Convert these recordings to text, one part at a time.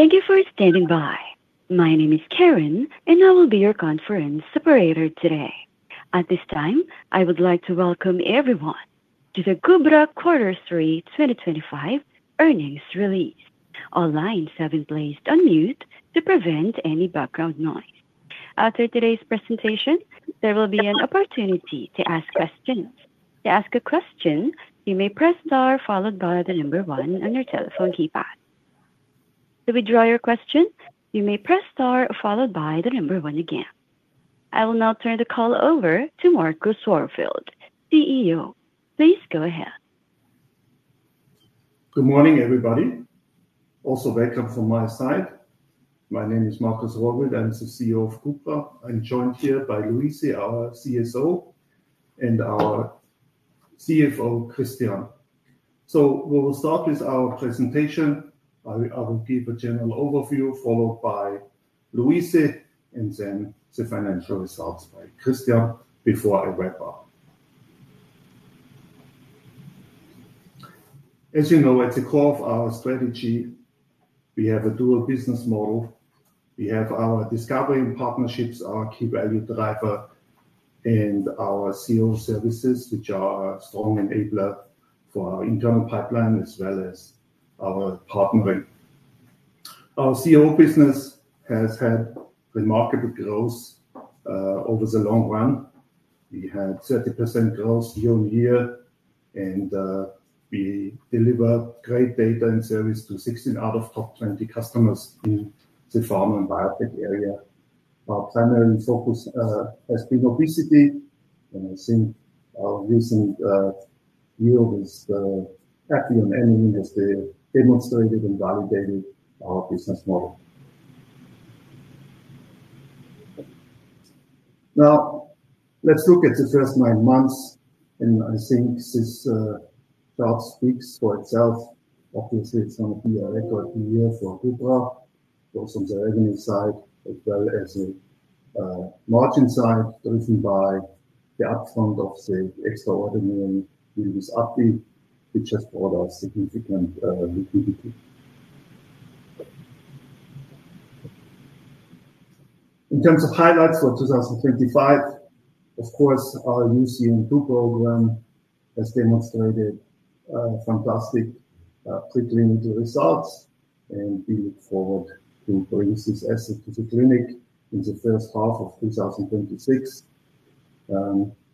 Thank you for standing by. My name is Karen, and I will be your conference operator today. At this time, I would like to welcome everyone to the Gubra Quarter 3 2025 earnings release. All lines have been placed on mute to prevent any background noise. After today's presentation, there will be an opportunity to ask questions. To ask a question, you may press star followed by the number one on your telephone keypad. To withdraw your question, you may press star followed by the number one again. I will now turn the call over to Marcus Warfield, CEO. Please go ahead. Good morning, everybody. Also welcome from my side. My name is Marcus Warfield. I'm the CEO of Gubra. I'm joined here by Louise, our CSO, and our CFO, Kristian. We will start with our presentation. I will give a general overview followed by Louise, and then the financial results by Christian before I wrap up. As you know, at the core of our strategy, we have a dual business model. We have our Discovery & Partnerships segment, our key value driver, and our CRO services, which are a strong enabler for our internal pipeline as well as our partnering. Our CRO business has had remarkable growth over the long run. We had 30% growth year on year, and we deliver great data and service to 16 out of top 20 customers in the pharma and biotech area. Our primary focus has been obesity, and I think our recent year with Action Energy has demonstrated and validated our business model. Now, let's look at the first nine months, and I think this chart speaks for itself. Obviously, it's going to be a record year for Gubra, both on the revenue side as well as the margin side, driven by the upfront of the extraordinary business upbeat, which has brought us significant liquidity. In terms of highlights for 2025, of course, our UCM2 program has demonstrated fantastic pre-clinical results, and we look forward to bringing this asset to the clinic in the first half of 2026.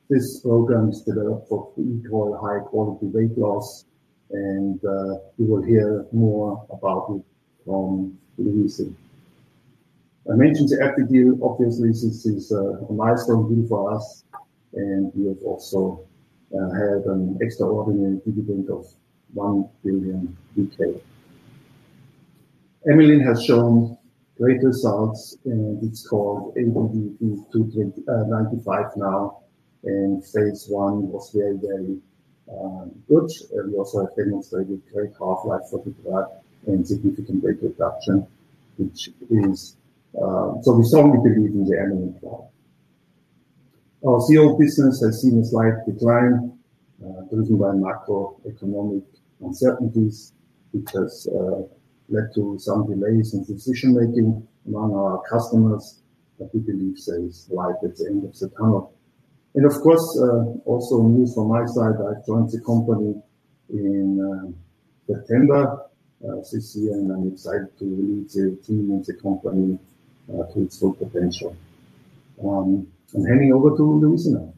This program is developed for equal high-quality weight loss, and you will hear more about it from Louise. I mentioned the equity deal. Obviously, this is a milestone deal for us, and we have also had an extraordinary dividend of 1 billion. Emily has shown great results, and it's called ABBV-295 now, and phase I was very, very good. We also have demonstrated great half-life for Gubra and significant weight reduction, which is why we strongly believe in the Emily plan. Our CRO business has seen a slight decline, driven by macroeconomic uncertainties, which has led to some delays in decision-making among our customers, but we believe there is light at the end of the tunnel. Of course, also news from my side, I joined the company in September this year, and I'm excited to lead the team and the company to its full potential. I'm handing over to Louise now.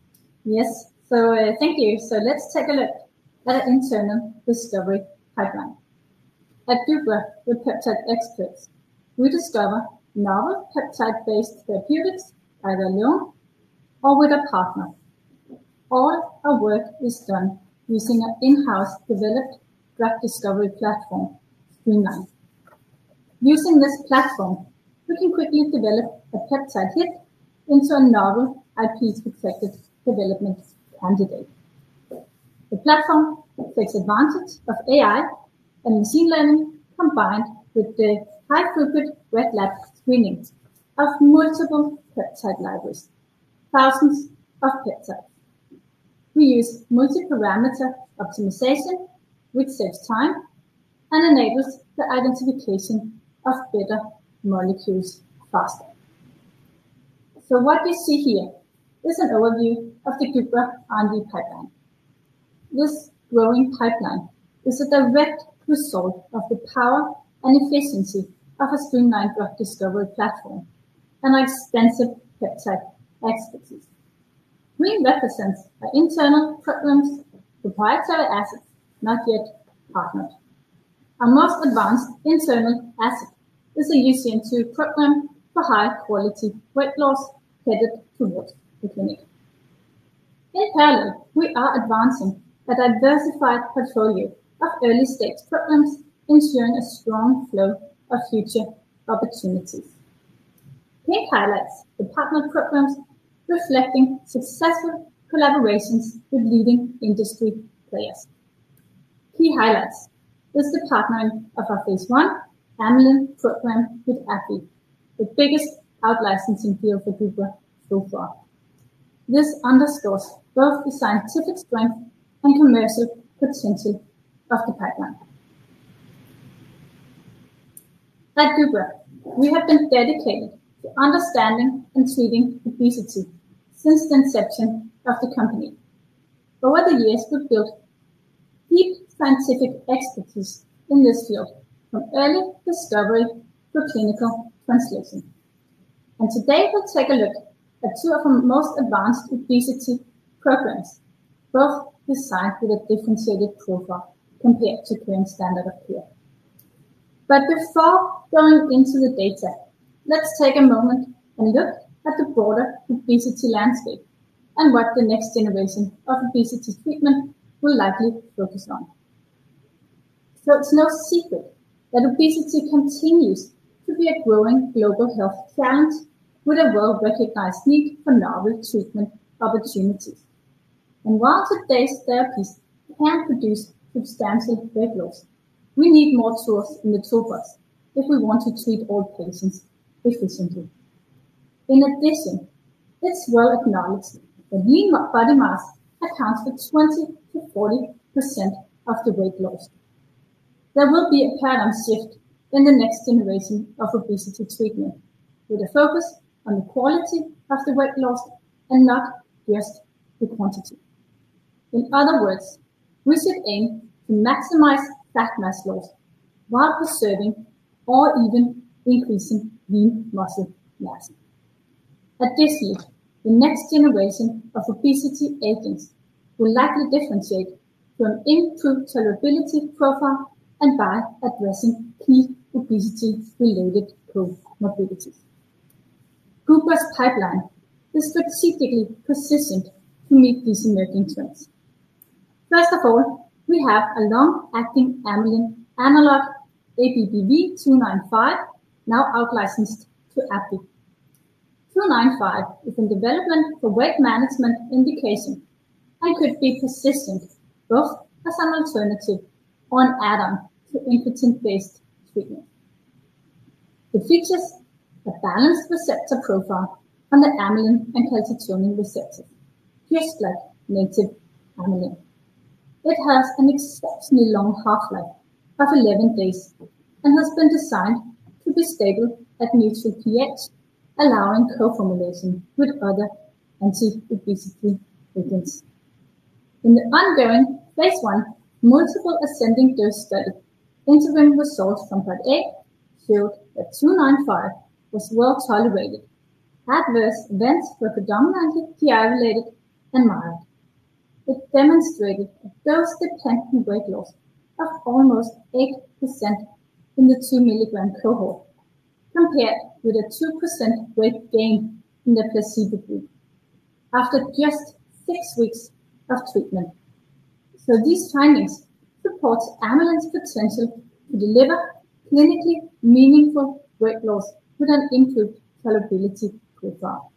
Yes, so thank you. Let's take a look at an internal discovery pipeline. At Gubra, with peptide experts, we discover novel peptide-based therapeutics either alone or with a partner, or our work is done using an in-house developed drug discovery platform, Greenline. Using this platform, we can quickly develop a peptide hit into a novel IP-protected development candidate. The platform takes advantage of AI and machine learning combined with the high-throughput wet lab screening of multiple peptide libraries, thousands of peptides. We use multi-parameter optimization, which saves time and enables the identification of better molecules faster. What you see here is an overview of the Gubra R&D pipeline. This growing pipeline is a direct result of the power and efficiency of a streamlined drug discovery platform and our extensive peptide expertise. Green represents our internal programs for biocellular assets, not yet partnered. Our most advanced internal asset is a UCM2 program for high-quality weight loss headed towards the clinic. In parallel, we are advancing a diversified portfolio of early-stage programs, ensuring a strong flow of future opportunities. Pink highlights the partner programs, reflecting successful collaborations with leading industry players. Key highlights are the partnering of our phase I Amylyx program with AbbVie, the biggest out-licensing deal for Gubra so far. This underscores both the scientific strength and commercial potential of the pipeline. At Gubra, we have been dedicated to understanding and treating obesity since the inception of the company. Over the years, we've built deep scientific expertise in this field from early discovery to clinical translation. Today, we'll take a look at two of our most advanced obesity programs, both designed with a differentiated profile compared to current standard of care. Before going into the data, let's take a moment and look at the broader obesity landscape and what the next generation of obesity treatment will likely focus on. It's no secret that obesity continues to be a growing global health challenge with a well-recognized need for novel treatment opportunities. While today's therapies can produce substantial weight loss, we need more tools in the toolbox if we want to treat all patients efficiently. In addition, it's well acknowledged that lean body mass accounts for 20-40% of the weight loss. There will be a paradigm shift in the next generation of obesity treatment with a focus on the quality of the weight loss and not just the quantity. In other words, we should aim to maximize fat mass loss while preserving or even increasing lean muscle mass. Additionally, the next generation of obesity agents will likely differentiate from improved tolerability profile and by addressing key obesity-related comorbidities. Gubra's pipeline is strategically positioned to meet these emerging trends. First of all, we have a long-acting amylin analog, ABBV-295, now out-licensed to AbbVie. ABBV-295 is in development for weight management indication and could be persistent both as an alternative or an add-on to GLP-1-based treatment. It features a balanced receptor profile on the amylin and calcitonin receptors, just like native amylin. It has an exceptionally long half-life of 11 days and has been designed to be stable at neutral pH, allowing co-formulation with other anti-obesity agents. In the ongoing phase one multiple ascending dose study, interim results from part A showed that ABBV-295 was well tolerated. Adverse events were predominantly GI-related and mild. It demonstrated a dose-dependent weight loss of almost 8% in the 2 mg cohort compared with a 2% weight gain in the placebo group after just six weeks of treatment. These findings support Amylyx's potential to deliver clinically meaningful weight loss with an improved tolerability profile.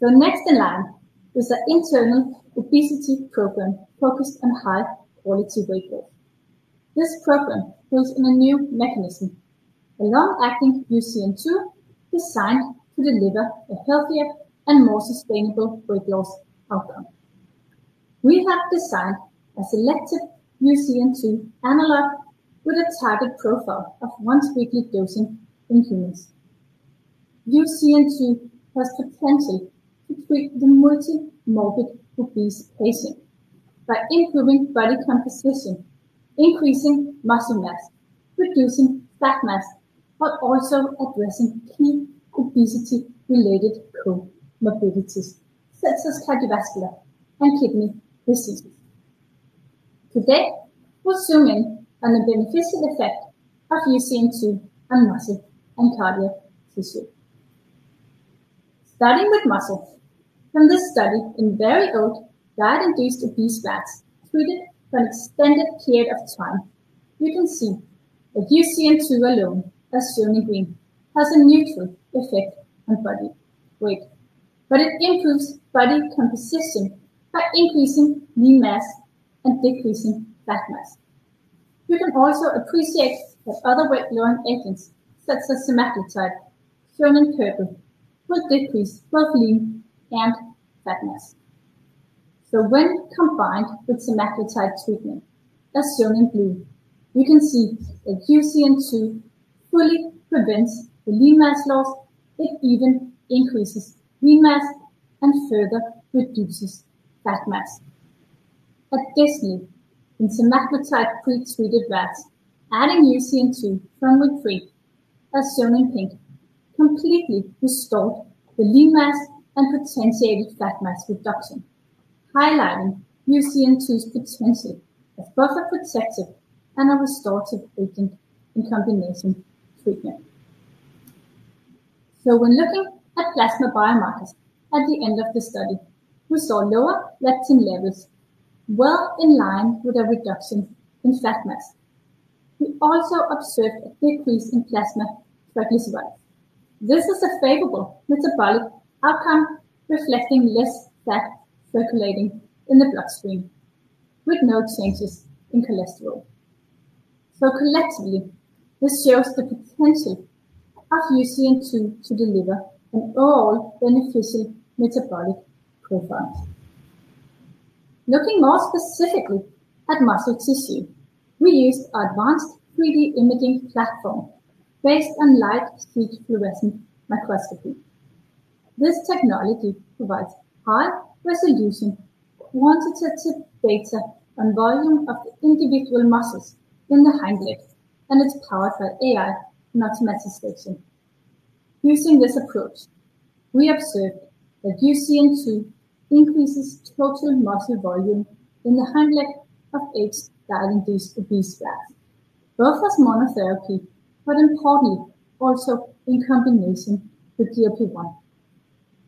Next in line is the internal obesity program focused on high-quality weight loss. This program builds on a new mechanism, a long-acting UCM2 designed to deliver a healthier and more sustainable weight loss outcome. We have designed a selective UCM2 analog with a target profile of once-weekly dosing in humans. UCM2 has the potential to treat the multi-morbid obese patient by improving body composition, increasing muscle mass, reducing fat mass, but also addressing key obesity-related comorbidities such as cardiovascular and kidney diseases. Today, we will zoom in on the beneficial effect of UCM2 on muscle and cardiac tissue. Starting with muscle, from this study in very old diet-induced obese rats treated for an extended period of time, you can see that UCM2 alone, as shown in green, has a neutral effect on body weight, but it improves body composition by increasing lean mass and decreasing fat mass. You can also appreciate that other weight-lowering agents such as semaglutide, shown in purple, will decrease both lean and fat mass. When combined with semaglutide treatment, as shown in blue, you can see that UCM2 fully prevents the lean mass loss. It even increases lean mass and further reduces fat mass. Additionally, in semaglutide pretreated rats, adding UCM2 from retreat, as shown in pink, completely restored the lean mass and potentiated fat mass reduction, highlighting UCM2's potential as both a protective and a restorative agent in combination treatment. When looking at plasma biomarkers at the end of the study, we saw lower leptin levels, well in line with a reduction in fat mass. We also observed a decrease in plasma fatty acid rates. This is a favorable metabolic outcome reflecting less fat circulating in the bloodstream with no changes in cholesterol. Collectively, this shows the potential of UCM2 to deliver an overall beneficial metabolic profile. Looking more specifically at muscle tissue, we used our advanced 3D imaging platform based on light-speed fluorescent microscopy. This technology provides high-resolution quantitative data on volume of the individual muscles in the hind leg, and it is powered by AI and automatic section. Using this approach, we observed that UCM2 increases total muscle volume in the hind leg of eight diet-induced obese rats, both as monotherapy, but importantly, also in combination with GLP-1.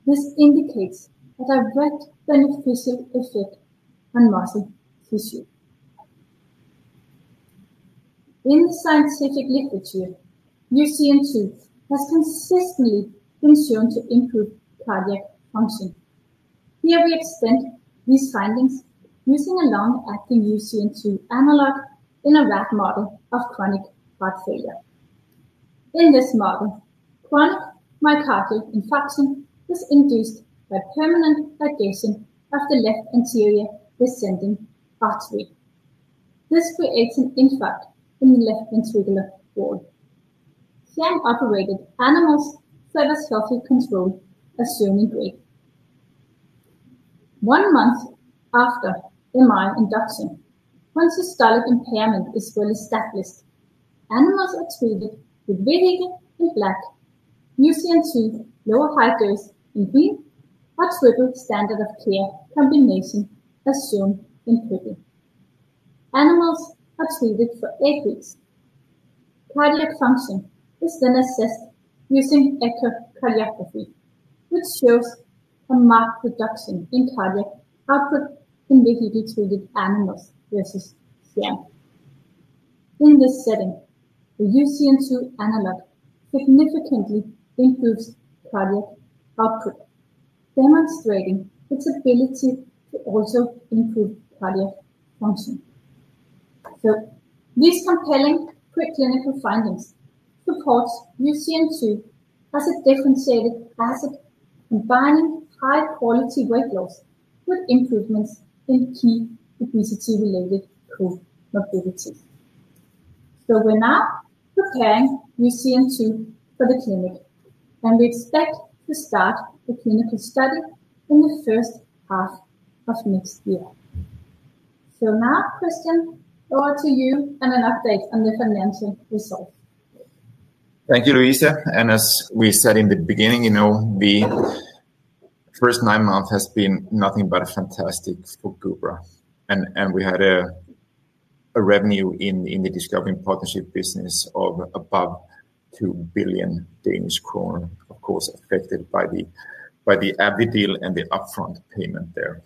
This indicates a direct beneficial effect on muscle tissue. In the scientific literature, UCM2 has consistently been shown to improve cardiac function. Here we extend these findings using a long-acting UCM2 analog in a rat model of chronic heart failure. In this model, chronic myocardial infarction is induced by permanent ligation of the left anterior descending artery. This creates an infarct in the left ventricular wall. Kian operated animals for the soft control as shown in green. One month after MRI induction, once systolic impairment is well established, animals are treated with reading in black, UCM2 low high dose in green, or triple standard of care combination as shown in purple. Animals are treated for eight weeks. Cardiac function is then assessed using echocardiography, which shows a marked reduction in cardiac output in reading-treated animals versus Kian. In this setting, the UCM2 analog significantly improves cardiac output, demonstrating its ability to also improve cardiac function. These compelling preclinical findings support UCM2 as a differentiated asset combining high-quality weight loss with improvements in key obesity-related comorbidities. We're now preparing UCM2 for the clinic, and we expect to start the clinical study in the first half of next year. Christian, over to you and an update on the financial results. Thank you, Louise. As we said in the beginning, you know, the first nine months has been nothing but fantastic for Gubra. We had a revenue in the Discovery & Partnerships segment of above 2 billion Danish kroner, of course, affected by the API deal and the upfront payment there.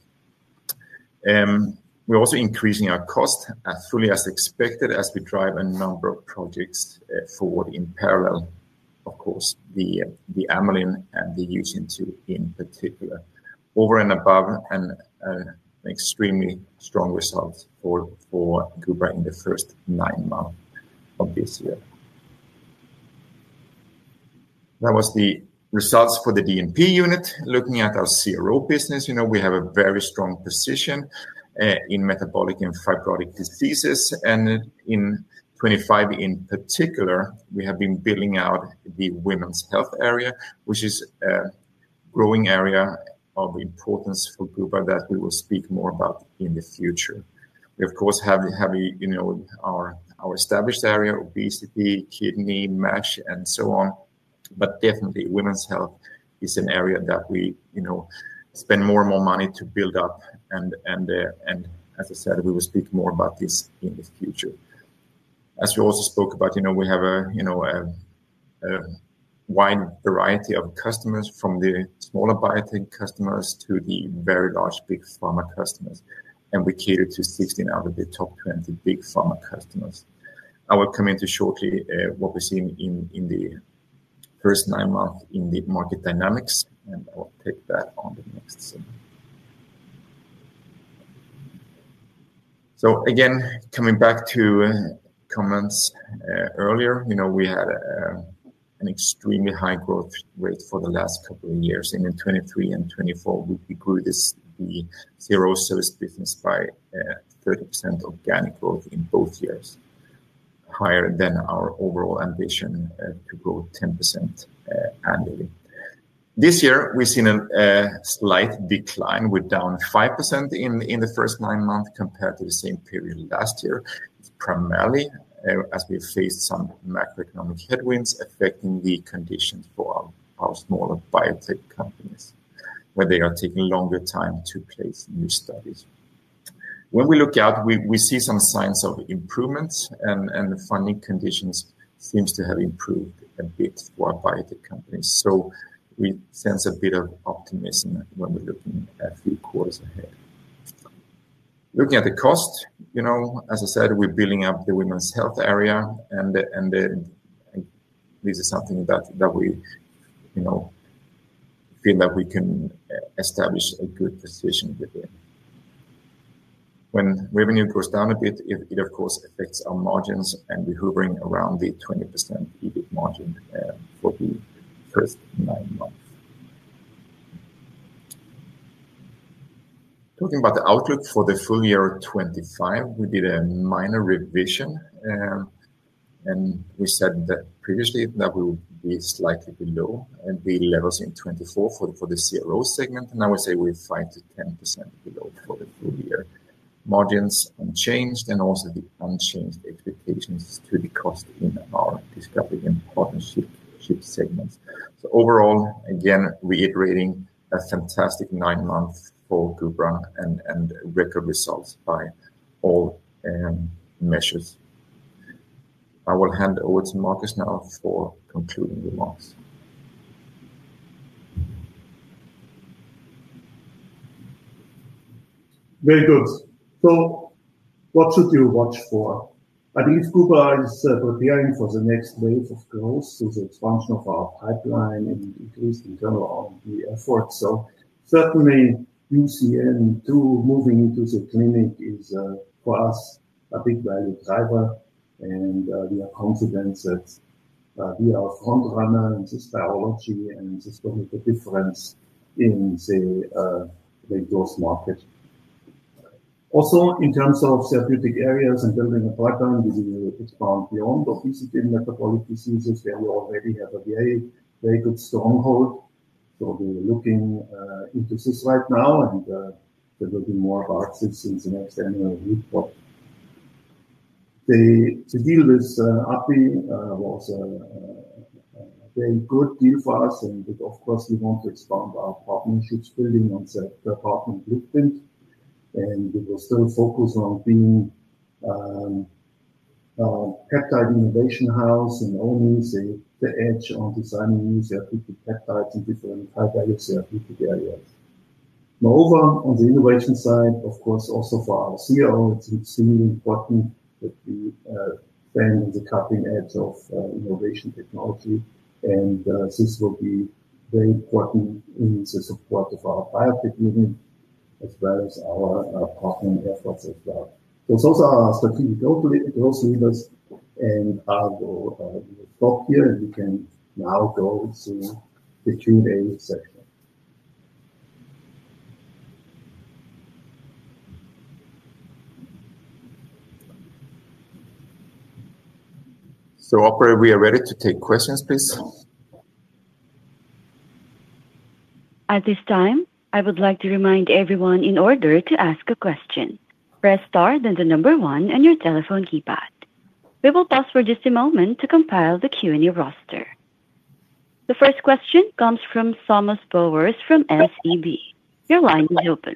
We're also increasing our cost as fully as expected as we drive a number of projects forward in parallel, of course, the amylin and the UCM2 in particular. Over and above, an extremely strong result for Gubra in the first nine months of this year. That was the results for the DNP unit. Looking at our CRO business, you know, we have a very strong position in metabolic and fibrotic diseases. In 2025 in particular, we have been building out the women's health area, which is a growing area of importance for Gubra that we will speak more about in the future. We, of course, have our established area, obesity, kidney, mesh, and so on. Women's health is an area that we, you know, spend more and more money to build up. As I said, we will speak more about this in the future. As we also spoke about, you know, we have a wide variety of customers from the smaller biotech customers to the very large big pharma customers. We cater to 16 out of the top 20 big pharma customers. I will come into shortly what we're seeing in the first nine months in the market dynamics, and I will take that on the next slide. Again, coming back to comments earlier, you know, we had an extremely high growth rate for the last couple of years. In 2023 and 2024, we grew the CRO service business by 30% organic growth in both years, higher than our overall ambition to grow 10% annually. This year, we've seen a slight decline with down 5% in the first nine months compared to the same period last year, primarily as we faced some macroeconomic headwinds affecting the conditions for our smaller biotech companies, where they are taking longer time to place new studies. When we look out, we see some signs of improvements, and the funding conditions seem to have improved a bit for our biotech companies. We sense a bit of optimism when we're looking at a few quarters ahead. Looking at the cost, you know, as I said, we're building up the women's health area, and this is something that we, you know, feel that we can establish a good position within. When revenue goes down a bit, it, of course, affects our margins, and we're hovering around the 20% EBIT margin for the first nine months. Talking about the outlook for the full year 2025, we did a minor revision, and we said that previously that we would be slightly below the levels in 2024 for the CRO segment. I would say we're 5%-10% below for the full year. Margins unchanged and also the unchanged expectations to the cost in our Discovery & Partnerships segment. Overall, again, reiterating a fantastic nine months for Gubra and record results by all measures. I will hand over to Marcus now for concluding remarks. Very good. What should you watch for? I believe Gubra is preparing for the next wave of growth, the expansion of our pipeline and increased internal R&D efforts. Certainly, UCM2 moving into the clinic is for us a big value driver, and we are confident that we are a front runner in this biology and is going to make a difference in the growth market. Also, in terms of therapeutic areas and building a pipeline, we will expand beyond obesity and metabolic diseases, where we already have a very, very good stronghold. We are looking into this right now, and there will be more about this in the next annual report. The deal with AbbVie was a very good deal for us, and of course, we want to expand our partnerships building on the partnering blueprint. We will still focus on being a peptide innovation house and owning the edge on designing new therapeutic peptides in different high-value therapeutic areas. Moreover, on the innovation side, of course, also for our CRO, it is extremely important that we stand on the cutting edge of innovation technology, and this will be very important in the support of our biotech unit as well as our partnering efforts as well. Those are our strategic growth leaders. I will stop here, and we can now go to the Q&A session. Opera, we are ready to take questions, please. At this time, I would like to remind everyone in order to ask a question, press star then the number one on your telephone keypad. We will pause for just a moment to compile the Q&A roster. The first question comes from Thomas Bowers from SEB. Your line is open.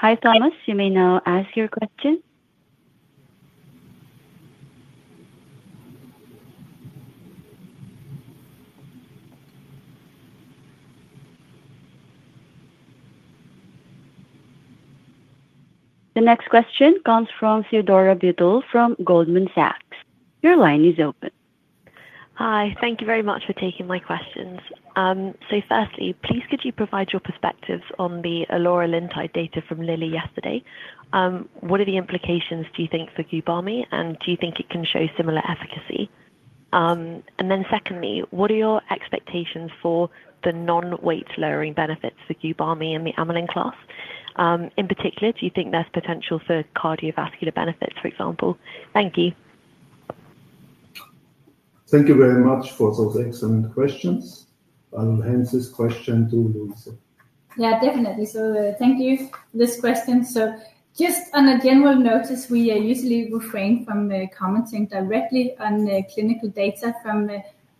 Hi, Thomas. You may now ask your question. The next question comes from Theodora Blou from Goldman Sachs. Your line is open. Hi, thank you very much for taking my questions. Firstly, please could you provide your perspectives on the orforglipron data from Lilly yesterday? What are the implications, do you think, for GUBamy, and do you think it can show similar efficacy? Secondly, what are your expectations for the non-weight lowering benefits for GUBamy and the amylin class? In particular, do you think there is potential for cardiovascular benefits, for example? Thank you. Thank you very much for those excellent questions. I will hand this question to Louise. Yeah, definitely. Thank you for this question. Just on a general notice, we usually refrain from commenting directly on clinical data from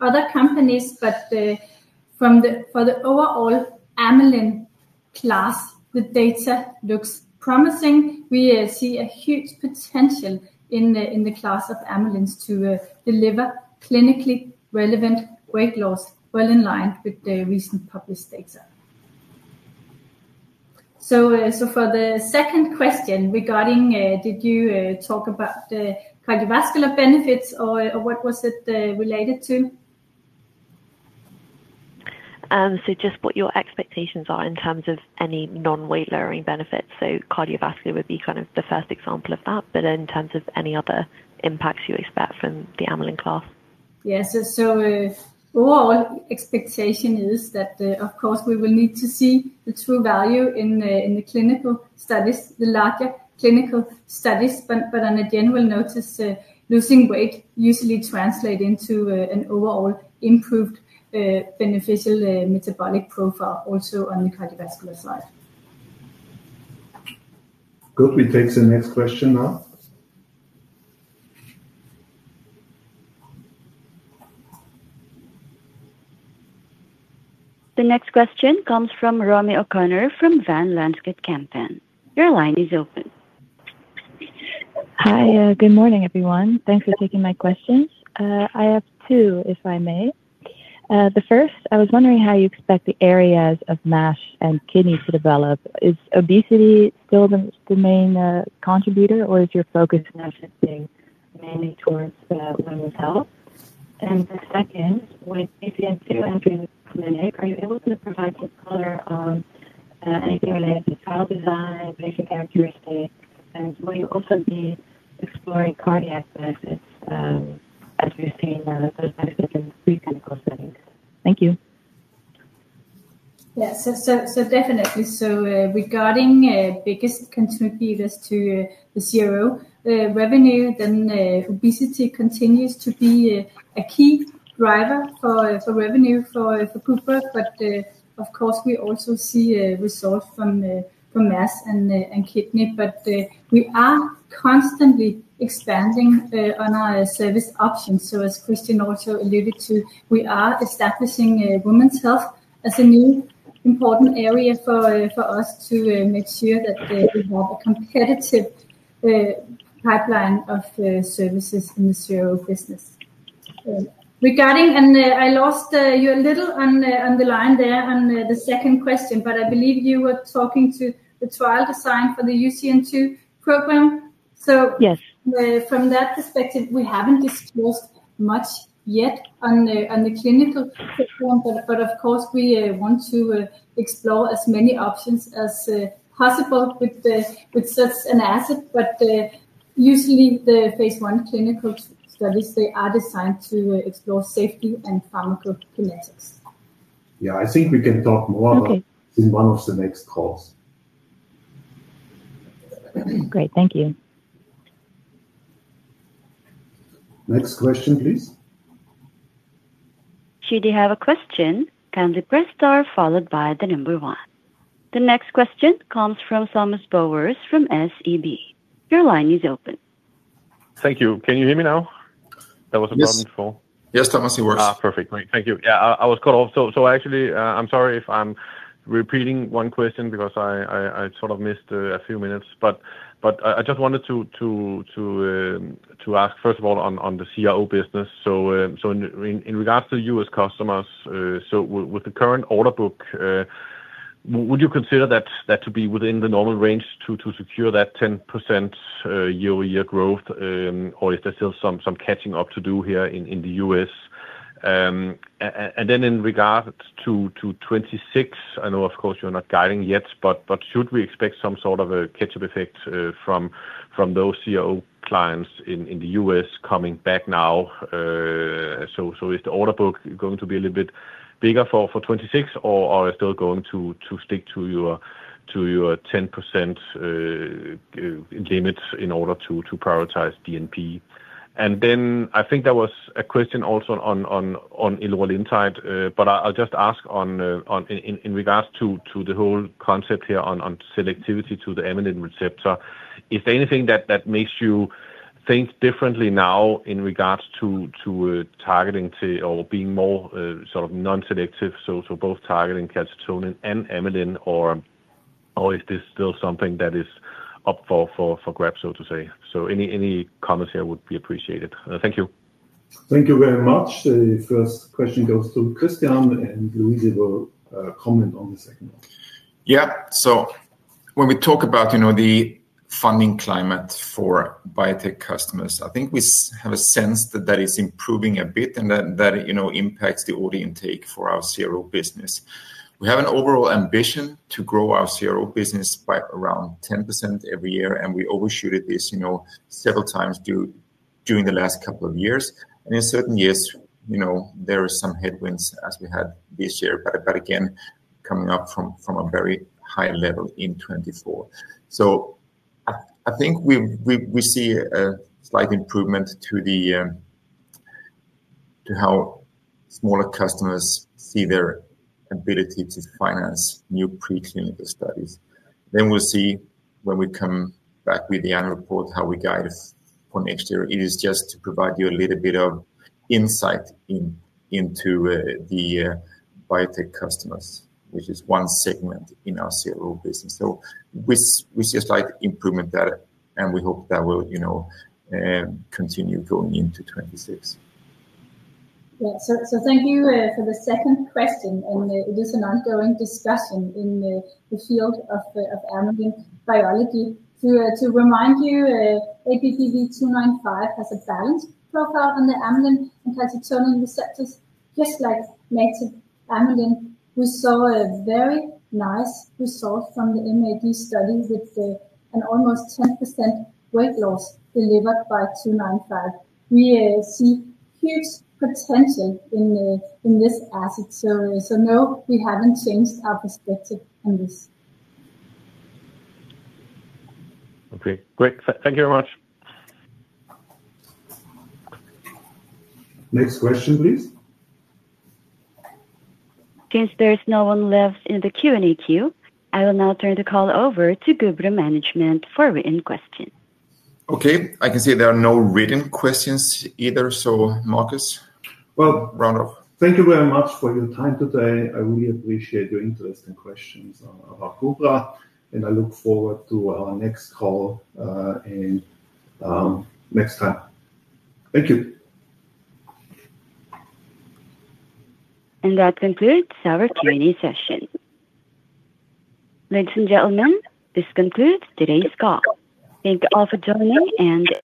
other companies, but for the overall amylin class, the data looks promising. We see a huge potential in the class of amylin to deliver clinically relevant weight loss well in line with the recent published data. For the second question regarding, did you talk about the cardiovascular benefits or what was it related to? Just what your expectations are in terms of any non-weight lowering benefits. Cardiovascular would be kind of the first example of that, but in terms of any other impacts you expect from the amylin class? Yes. Overall expectation is that, of course, we will need to see the true value in the clinical studies, the larger clinical studies, but on a general notice, losing weight usually translates into an overall improved beneficial metabolic profile, also on the cardiovascular side. Good. We take the next question now. The next question comes from Romy O'Connor from Van Lanschot Kempen. Your line is open. Hi, good morning, everyone. Thanks for taking my questions. I have two, if I may. The first, I was wondering how you expect the areas of mesh and kidney to develop. Is obesity still the main contributor, or is your focus shifting mainly towards women's health? The second, with UCM2 entering the clinic, are you able to provide some color on anything related to trial design, patient characteristics, and will you also be exploring cardiac benefits as we've seen those benefits in preclinical settings? Thank you. Yeah, so definitely. Regarding biggest contributors to the CRO revenue, obesity continues to be a key driver for revenue for Gubra, but of course, we also see results from mesh and kidney, but we are constantly expanding on our service options. As Christian also alluded to, we are establishing women's health as a new important area for us to make sure that we have a competitive pipeline of services in the CRO business. Regarding, and I lost you a little on the line there on the second question, but I believe you were talking to the trial design for the UCM2 program. From that perspective, we have not disclosed much yet on the clinical platform, but of course, we want to explore as many options as possible with such an asset, but usually the phase one clinical studies are designed to explore safety and pharmacokinetics. Yeah, I think we can talk more about this in one of the next calls. Great, thank you. Next question, please. Judy has a question. Kindly press star followed by the number one. The next question comes from Thomas Bowers from SEB. Your line is open. Thank you. Can you hear me now? That was a problem before. Yes, Thomas, you were. Perfect. Great. Thank you. Yeah, I was cut off. Actually, I'm sorry if I'm repeating one question because I sort of missed a few minutes, but I just wanted to ask, first of all, on the CRO business. In regards to US customers, with the current order book, would you consider that to be within the normal range to secure that 10% year-over-year growth, or is there still some catching up to do here in the US? In regards to 2026, I know, of course, you're not guiding yet, but should we expect some sort of a catch-up effect from those CRO clients in the US coming back now? Is the order book going to be a little bit bigger for 2026, or are you still going to stick to your 10% limit in order to prioritize DNP? I think there was a question also on allora lentide, but I'll just ask in regards to the whole concept here on selectivity to the amylin receptor. Is there anything that makes you think differently now in regards to targeting or being more sort of non-selective, so both targeting calcitonin and amylin, or is this still something that is up for grab, so to say? Any comments here would be appreciated. Thank you. Thank you very much. The first question goes to Christian, and Louise will comment on the second one. Yeah. When we talk about the funding climate for biotech customers, I think we have a sense that that is improving a bit and that impacts the order intake for our CRO business. We have an overall ambition to grow our CRO business by around 10% every year, and we overshooted this several times during the last couple of years. In certain years, there are some headwinds as we had this year, but again, coming up from a very high level in 2024. I think we see a slight improvement to how smaller customers see their ability to finance new preclinical studies. We will see when we come back with the annual report how we guide for next year. It is just to provide you a little bit of insight into the biotech customers, which is one segment in our CRO business. We see a slight improvement there, and we hope that will continue going into 2026. Yeah. Thank you for the second question. It is an ongoing discussion in the field of amylin biology. To remind you, ABBV-295 has a balanced profile on the amylin and calcitonin receptors, just like native amylin. We saw a very nice result from the MAD study with an almost 10% weight loss delivered by 295. We see huge potential in this asset. No, we have not changed our perspective on this. Okay. Great. Thank you very much. Next question, please. Since there is no one left in the Q&A queue, I will now turn the call over to Gubra Management for written questions. Okay. I can see there are no written questions either. Marcus, round off. Thank you very much for your time today. I really appreciate your interest and questions about Gubra, and I look forward to our next call next time. Thank you. That concludes our Q&A session. Ladies and gentlemen, this concludes today's call. Thank you all for joining.